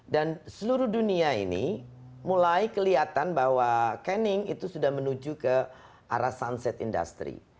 dan seluruh dunia ini mulai kelihatan bahwa canning itu sudah menuju ke arah sunset industry